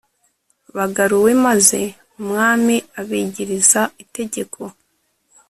bagaruwe maze umwami abigirza itegeko